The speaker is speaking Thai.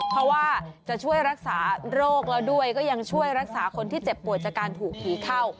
เพราะว่าจะช่วยรักษาโรคแล้วด้วยก็ยังช่วยรักษาคนที่เจ็บป่วยจากการถูกผีเข้า